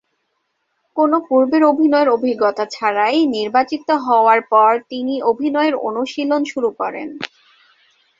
কোনও পূর্বের অভিনয়ের অভিজ্ঞতা ছাড়াই, নির্বাচিত হওয়ার পরই তিনি অভিনয়ের অনুশীলন শুরু করেন।